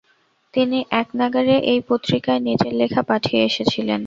তিনি এক নাগাড়ে এই পত্রিকায় নিজের লেখা পাঠিয়ে এসেছিলেন।